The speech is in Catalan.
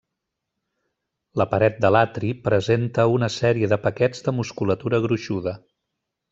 La paret de l'atri presenta una sèrie de paquets de musculatura gruixuda.